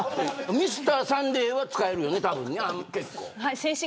Ｍｒ．サンデーは使えるよね。